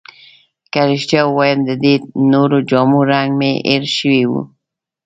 که رښتیا ووایم، د دې نورو جامو رنګ مې هیر شوی وو.